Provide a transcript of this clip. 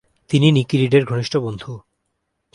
তিনি নিকি রিডের ঘনিষ্ঠ বন্ধু।